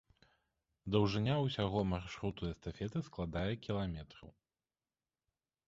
Даўжыня ўсяго маршруту эстафеты складае кіламетраў.